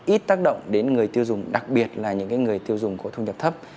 ít tác động đến người tiêu dùng đặc biệt là những người tiêu dùng có thu nhập thấp